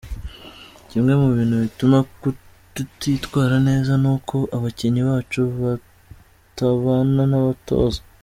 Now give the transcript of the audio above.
Kimwe mu bintu bituma tutitwara neza ni uko abakinnyi bacu batabana n’abatoza.